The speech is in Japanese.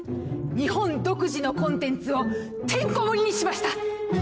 日本独自のコンテンツをてんこ盛りにしました！